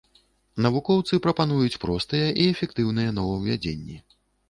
Навукоўцы прапануюць простыя і эфектыўныя новаўвядзенні.